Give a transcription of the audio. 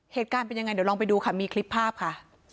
เหตุการณ์เป็นยังไงเดี๋ยวลองไปดูค่ะมีคลิปภาพค่ะ